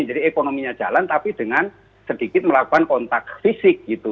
jadi ekonominya jalan tapi dengan sedikit melakukan kontak fisik gitu